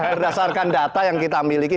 berdasarkan data yang kita miliki